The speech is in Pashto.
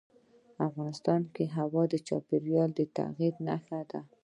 افغانستان کې هوا د چاپېریال د تغیر نښه ده.